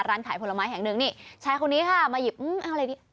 ร้านขายผลไม้แห่งหนึ่งนี่ชายคนนี้ค่ะมาหยิบเอาอะไรดี